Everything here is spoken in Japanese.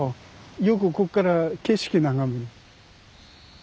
よくこっから景色眺める。